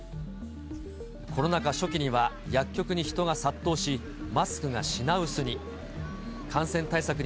コロナ禍初期には薬局に人が殺到し、マスクが品薄に。